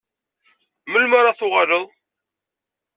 Melmi ara d-tuɣaleḍ?